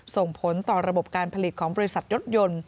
ส่งผลต่อระบบการผลิตของบริษัทรถยนต์